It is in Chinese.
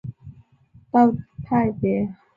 李家道是三国时期兴起的一个道教派别。